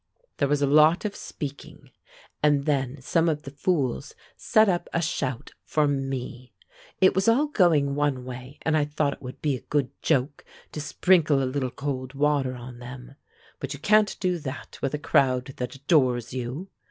"There was a lot of speaking, and then some of the fools set up a shout for me. It was all going one way, and I thought it would be a good joke to sprinkle a little cold water on them. But you can't do that with a crowd that adores you.